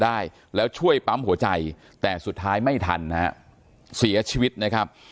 ได้แล้วช่วยปั๊มหัวใจแต่สุดท้ายไม่ทันนะฮะเสียชีวิตนะครับ